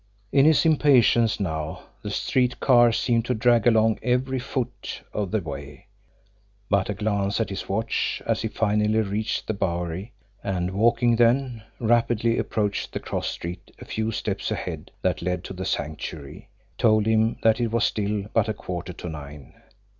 In his impatience, now, the street car seemed to drag along every foot of the way; but a glance at his watch, as he finally reached the Bowery, and, walking then, rapidly approached the cross street a few steps ahead that led to the Sanctuary, told him that it was still but a quarter to nine.